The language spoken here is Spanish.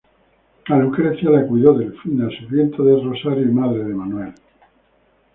A Lucrecia la cuidó Delfina, sirvienta de Rosario y madre de Manuel.